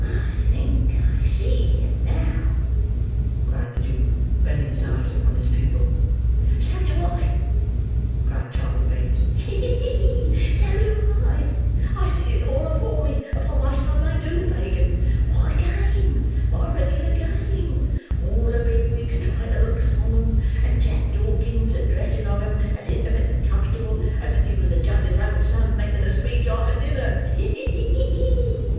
"I think I see him now," cried the Jew, bending his eyes upon his pupil. "So do I," cried Charley Bates. "Ha! ha! ha! so do I. I see it all afore me, upon my soul I do, Fagin. What a game! What a regular game! All the big wigs trying to look solemn, and Jack Dawkins addressing of 'em as intimate and comfortable as if he was the judge's own son making a speech arter dinner—ha! ha! ha!"